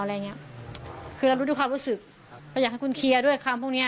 อะไรอย่างเงี้ยคือเรารู้ทุกความรู้สึกเราอยากให้คุณเคลียร์ด้วยคำพวกเนี้ย